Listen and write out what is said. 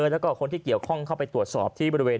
แล้วก็คนที่เกี่ยวข้องเข้าไปตรวจสอบที่บริเวณ